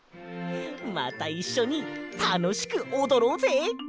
またいっしょにたのしくおどろうぜ！